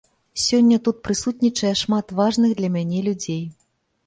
Сёння тут прысутнічае шмат важных для мяне людзей.